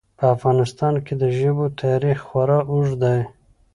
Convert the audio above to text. په افغانستان کې د ژبو تاریخ خورا اوږد دی.